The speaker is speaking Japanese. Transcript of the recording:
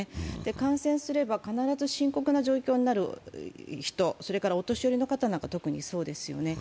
感染すれば必ず深刻な状況になる人、お年寄りの方なんか特にそうですよね。